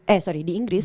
eh sorry di inggris